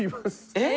えっ？